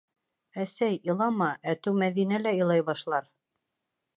— Әсәй, илама, әтеү Мәҙинә лә илай башлар.